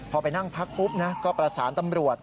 พอไปนั่งพักปุ๊บนะก็ประสานตำรวจ